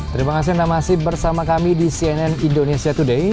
terima kasih anda masih bersama kami di cnn indonesia today